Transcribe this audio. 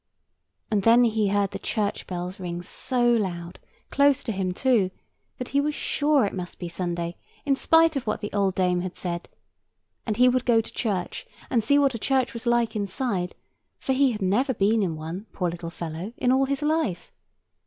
And then he heard the church bells ring so loud, close to him too, that he was sure it must be Sunday, in spite of what the old dame had said; and he would go to church, and see what a church was like inside, for he had never been in one, poor little fellow, in all his life.